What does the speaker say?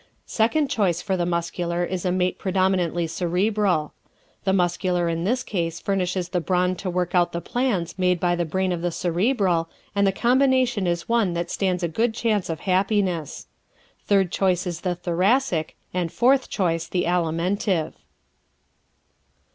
Second choice for the Muscular is a mate predominantly Cerebral. The Muscular in this case furnishes the brawn to work out the plans made by the brain of the Cerebral, and the combination is one that stands a good chance of happiness. Third choice is the Thoracic, and fourth choice the Alimentive.